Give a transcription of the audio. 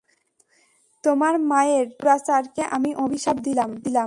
তোমার মায়ের দুরাচারকে আমি অভিশাপ দিলাম।